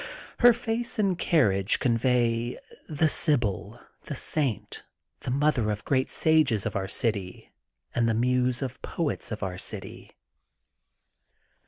Her face and carriage convey the sibyl, the saint, the mother of great sages of our city and the muse of poets of our city.